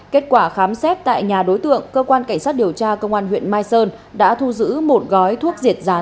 kết quả khám xét tại nhà đối tượng cơ quan cảnh sát điều tra công an huyện mai sơn đã thu giữ một gói thuốc diệt rán